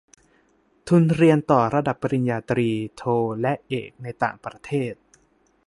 ทุนเรียนต่อระดับปริญญาตรี โท และเอก ในต่างประเทศ